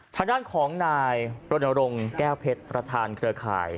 ทางด้านของนายรณรงค์แก้วเพชรประธานเครือข่าย